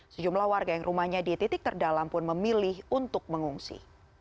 sejumlah warga yang rumahnya di titik terdalam pun memilih untuk mengungsi